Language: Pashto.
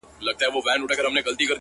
څومره له حباب سره ياري کوي ـ